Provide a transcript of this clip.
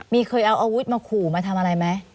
มีเคยเอาอาวุธมาขู่มาทำอะไรไหม